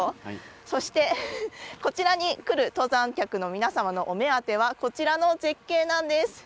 そしてこちらに来る登山客の皆様のお目当ては、こちらの絶景なんです。